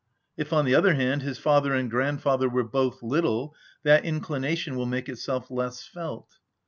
If, on the other hand, his father and grandfather were both little, that inclination will make itself less felt.